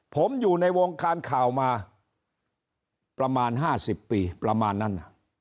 ผมอยู่ในวงการข่าวมาประมาณ๕๐ปีประมาณนั้น